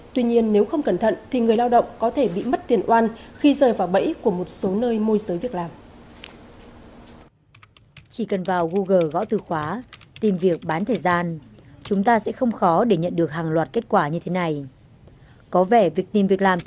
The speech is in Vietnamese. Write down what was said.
tuy nhiên nếu không cẩn thận thì người lao động có thể bị mất tiền oan khi rời vào bẫy của một số nơi môi giới việc làm